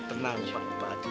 tenang pak haji